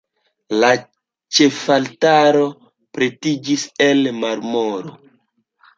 La ĉefaltaro pretiĝis el marmoro.